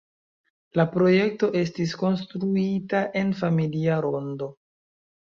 La projekto estis konstruita en familia rondo.